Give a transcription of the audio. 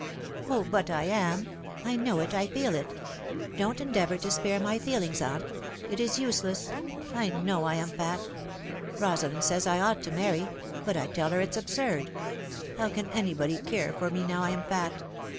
" O, but I am ! I know it, I feel it. Don't endeavour to spare my feelings, aunt. It is useless. I know I am fat. liosalind says I ought to marry ; but I tell her it's absurd. How can anybody ever care for me now I am fat